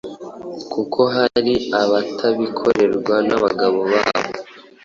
kuko hari abatabikorerwa n’abagabo babo